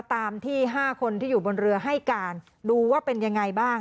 ตามที่๕คนที่อยู่บนเรือให้การดูว่าเป็นยังไงบ้าง